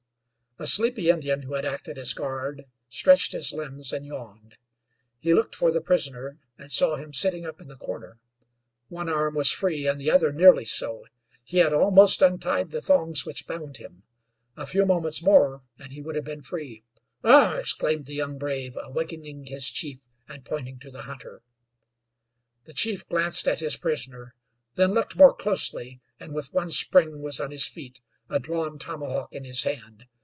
A sleepy Indian who had acted as guard stretched his limbs and yawned. He looked for the prisoner, and saw him sitting up in the corner. One arm was free, and the other nearly so. He had almost untied the thongs which bound him; a few moments more and he would have been free. "Ugh!" exclaimed the young brave, awakening his chief and pointing to the hunter. The chief glanced at his prisoner; then looked more closely, and with one spring was on his feet, a drawn tomahawk in his hand.